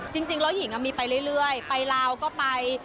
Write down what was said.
จริงแล้วหญิงมีไปเรื่อยไปลาวก็ไป